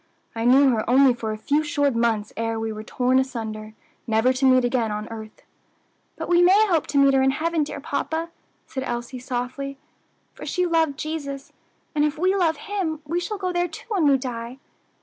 "I knew her only for a few short months ere we were torn asunder, never to meet again on earth." "But we may hope to meet her in heaven, dear papa," said Elsie softly, "for she loved Jesus, and if we love Him we shall go there too when we die.